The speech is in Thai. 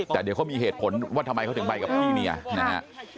แต่เดี๋ยวเขามีเหตุผลว่าทำไมเขาถึงไปกับพี่เมียนะฮะ